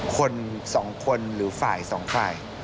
คนสองคนหรือฝ่ายสองฝ่าย